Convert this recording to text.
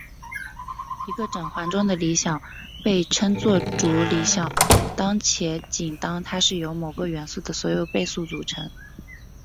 一个整环中的理想被称作主理想当且仅当它是由某个元素的所有倍数组成。